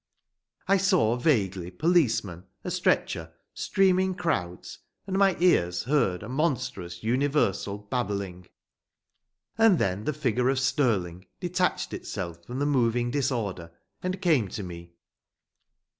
I saw vaguely policemen, a stretcher, streaming crowds, and my ears heard a monstrous universal babbling. And then the figure of Stirling detached itself from the moving disorder and came to me.